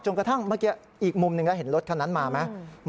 กระทั่งเมื่อกี้อีกมุมหนึ่งเห็นรถคันนั้นมาไหม